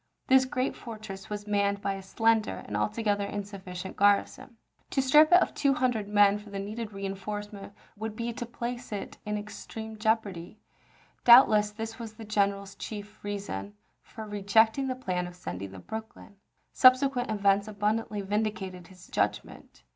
This great fortress was manned by a slender and altogether insufficient garrison. To strip it of two hundred men for the needed reenforcement would be to place it in extreme jeopardy. Doubtless this was the general's chief reason for rejecting the plan of sending the Brooklyn. Subsequent events abundantly vindicated his judgment.